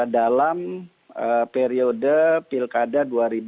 dalam periode pilkada dua ribu dua puluh